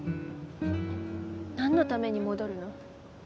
何のために戻るの？